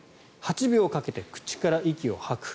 ８秒かけて口から息を吐く。